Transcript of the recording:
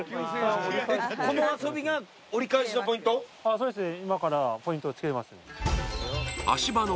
そうですね